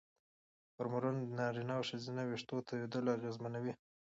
هورمونونه د نارینه او ښځینه وېښتو توېیدل اغېزمنوي.